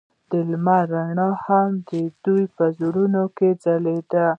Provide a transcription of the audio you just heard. د لمر رڼا هم د دوی په زړونو کې ځلېده.